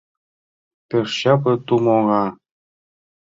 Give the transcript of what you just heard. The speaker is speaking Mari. Пеш чапле тумо оҥа.